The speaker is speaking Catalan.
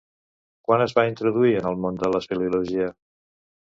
Quan es va introduir en el món de l'espeleologia?